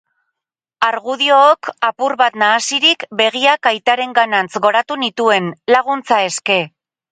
Argudiook apur bat nahasirik, begiak aitarenganantz goratu nituen, laguntza eske.